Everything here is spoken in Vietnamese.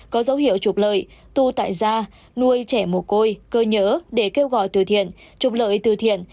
có dấu hiệu trục lợi tu tại gia nuôi trẻ mùa côi cơ nhỡ để kêu gọi từ thiện trục lợi từ thiện